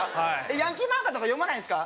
ヤンキーマンガとか読まないんですか？